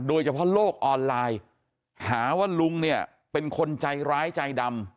โดยเฉพาะโลกออนไลน์หาว่าลุงเนี่ยเป็นคนใจร้ายใจดำ